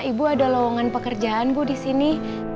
ibu ada lowongan pekerjaan bu disini